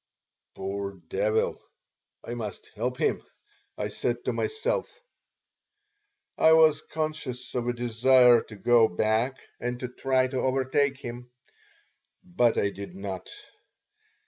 "Poor devil! I must help him," I said to myself. I was conscious of a desire to go back and to try to overtake him; but I did not.